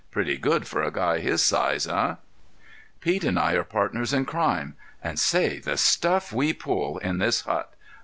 Pretty good for a guy his size, eh? Pete and I are partners in crime—and, say, the stuff we pull in this hut!